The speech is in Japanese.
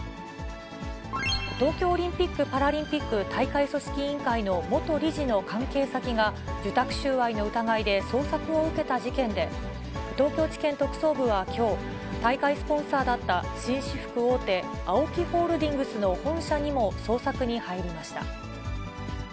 東京オリンピック・パラリンピック大会組織委員会の元理事の関係先が、受託収賄の疑いで捜索を受けた事件で、東京地検特捜部はきょう、大会スポンサーだった紳士服大手、ＡＯＫＩホールディングスの本社にも捜索に入りました。